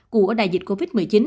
của đại dịch covid một mươi chín